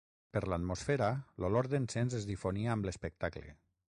Per l'atmosfera, l'olor d'encens es difonia amb l'espectacle.